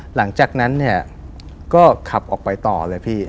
หลังจากนั้นก็ขับออกไปต่อเลย